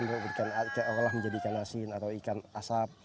mereka berubah keolah menjadi ikan asin atau ikan asap